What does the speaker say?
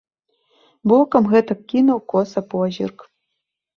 Бокам гэтак кінуў коса позірк.